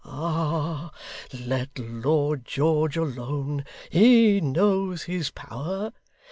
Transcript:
Ah! Let Lord George alone. He knows his power.